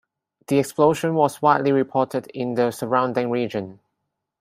The explosion was widely reported in the surrounding region.